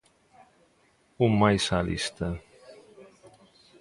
Un máis á lista.